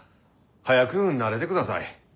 早く慣れてください。